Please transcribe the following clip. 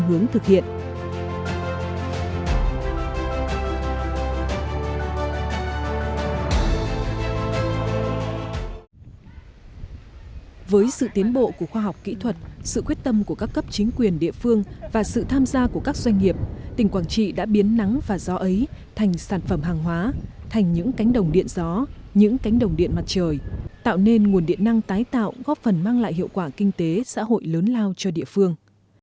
với sự tiến bộ của khoa học kỹ thuật sự quyết tâm của các cấp chính quyền địa phương và sự tham gia của các doanh nghiệp tỉnh quảng trị đã biến nắng và gió ấy thành sản phẩm hàng hóa thành những cánh đồng điện gió những cánh đồng điện mặt trời tạo nên nguồn điện năng tái tạo góp phần mang lại hiệu quả kinh tế xã hội lớn lao cho địa phương